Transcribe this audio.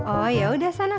oh yaudah sana